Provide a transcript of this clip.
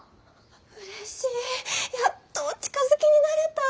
うれしいやっとお近づきになれた。